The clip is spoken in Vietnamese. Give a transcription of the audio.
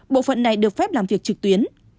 bộ phận này được phép làm việc trực tuyến